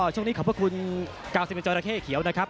ช่วงนี้ขอบคุณ๙๐บาทเจ้าระเข้เขียวนะครับ